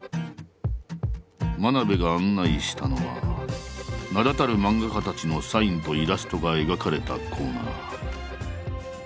真鍋が案内したのは名だたる漫画家たちのサインとイラストが描かれたコーナー。